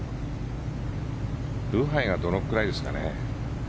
ブハイがどのくらいですかね？